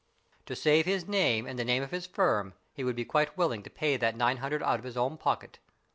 To save his name and the name of his firm he would be quite willing to pay that nine hundred out of his own pocket.